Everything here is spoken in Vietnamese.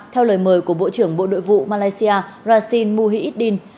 theo lời mời của bộ trưởng bộ nội vụ malaysia rasin muhyiddin